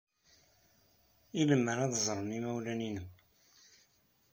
I lemmer ad ẓren yimawlan-nnem?